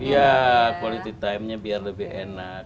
iya quality timenya biar lebih enak